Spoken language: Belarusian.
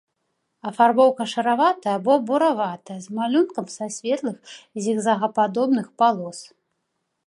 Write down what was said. Афарбоўка шараватая або бураватая з малюнкам са светлых зігзагападобных палос.